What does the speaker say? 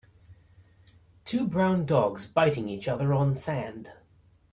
Two brown dogs biting each other on sand.